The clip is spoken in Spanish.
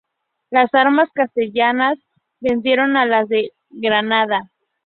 Las armas castellanas vencieron a las de Granada.